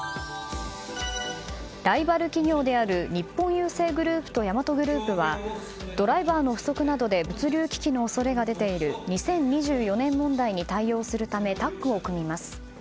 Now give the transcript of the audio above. ライバル企業である日本郵政グループとヤマトグループはドライバーの不足などで物流危機の恐れが出ている２０２４年問題に対応するためタッグを組みます。